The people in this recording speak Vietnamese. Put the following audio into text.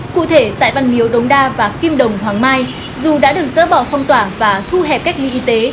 cụ thể tại văn miếu đống đa và kim đồng hoàng mai dù đã được dỡ bỏ phong tỏa và thu hẹp cách ly y tế